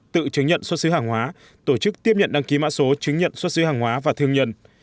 tự chứng nhận xuất xứ hàng hóa tổ chức tiếp nhận đăng ký mã số chứng nhận xuất xứ hàng hóa và thương nhân